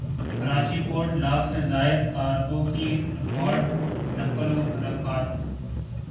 Karachi port lakh سے زائد cargo کی ریکارڈ نقل وحرکت